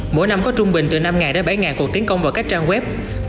mỗi năm có trung bình từ năm đến bảy cuộc tiến công vào các trang web